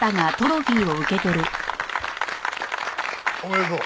おめでとう。